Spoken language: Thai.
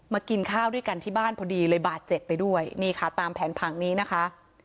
กินข้าวด้วยกันที่บ้านพอดีเลยบาดเจ็บไปด้วยนี่ค่ะตามแผนผังนี้นะคะ